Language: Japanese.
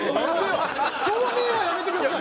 証明はやめてください。